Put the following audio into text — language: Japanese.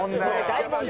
大問題。